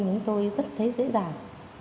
chúng tôi rất thấy dễ dàng